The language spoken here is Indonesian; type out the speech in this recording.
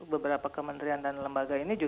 beberapa kementerian dan lembaga ini